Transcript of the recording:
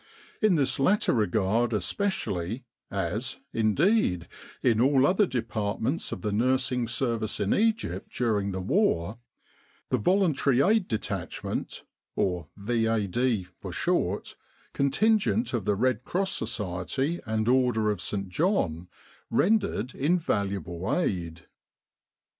In this latter regard especially, as, indeed, in all other departments of the nursing service in Egypt during the war, the V.A.D. contin 36 Egypt and the Great War gent of the Red Cross Society and Order of Saint John rendered invaluable aid.